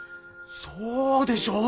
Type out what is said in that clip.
そうでしょう？